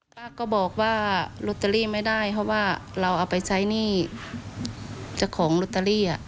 ป้าก็บอกว่าลอตเตอรี่ไม่ได้เพราะว่าเราเอาไปใช้หนี้เจ้าของลอตเตอรี่